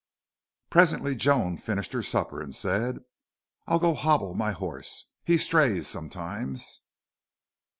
Presently Joan finished her supper and said: "I'll go hobble my horse. He strays sometimes."